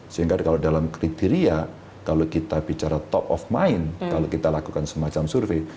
sehingga kalau dalam kriteria kalau kita bicara top of mind kalau kita lakukan semacam survei